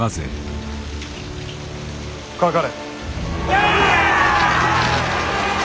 かかれ。